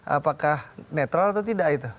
apakah netral atau tidak itu